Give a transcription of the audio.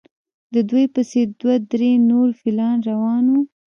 د دوی پسې دوه درې نور فیلان روان وو.